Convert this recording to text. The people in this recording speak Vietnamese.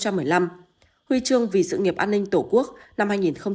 huy chương vì sự nghiệp an ninh tổ quốc năm hai nghìn hai